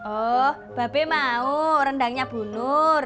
oh babe mau rendangnya bu nur